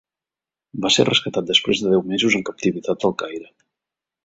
Va ser rescatat després de deu mesos en captivitat al Caire.